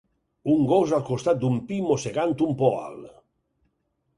Un gos al costat d'un pi mossegant un poal